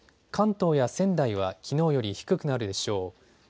関東や仙台はきのうより低くなるでしょう。